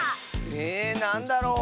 えなんだろう？